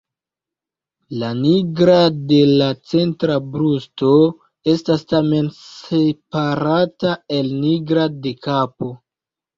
La nigra de la centra brusto estas tamen separata el nigra de kapo.